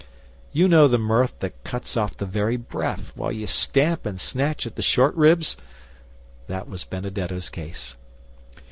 You know the mirth that cuts off the very breath, while ye stamp and snatch at the short ribs? That was Benedetto's case.